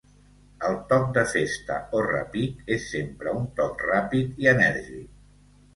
El toc de festa o repic és sempre un toc ràpid i enèrgic.